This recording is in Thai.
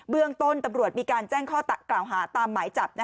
เรื่องต้นตำรวจมีการแจ้งข้อกล่าวหาตามหมายจับ